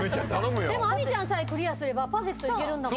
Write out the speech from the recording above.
でも亜美ちゃんさえクリアすればパーフェクトいける。